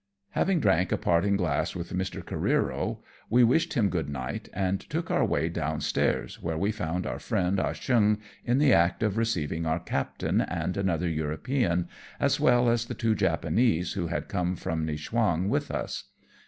Having drank a parting glass with Mr. Careero, we G 82 AMONG TYPHOONS AND PIRATE CRAFT. wished him good night, and took our way downstairs, where we found our friend Ah Cheong in the act of receiving our captain and another European, as well as the two Japanese who had come from Niewchwang with us.